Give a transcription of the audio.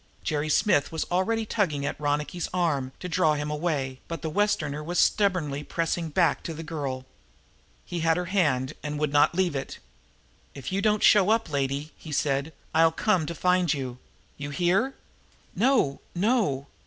Jerry Smith was already tugging at Ronicky's arm to draw him away, but the Westerner was stubbornly pressing back to the girl. He had her hand and would not leave it. "If you don't show up, lady," he said, "I'll come to find you. You hear?" "No, no!"